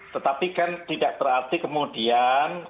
tetapi kan tidak berarti kemudian